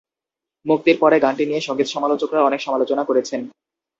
মুক্তির পরে গানটি নিয়ে সঙ্গীত সমালোচকরা অনেক সমালোচনা করেছেন।